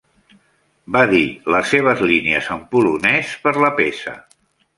Va dir les seves línies en polonès per la peça.